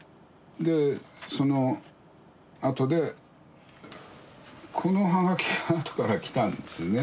でそのあとでこの葉書があとから来たんですよね。